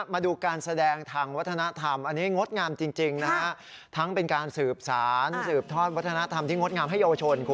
มาดูการแสดงทางวัฒนธรรมอันนี้งดงามจริงนะฮะทั้งเป็นการสืบสารสืบทอดวัฒนธรรมที่งดงามให้เยาวชนคุณ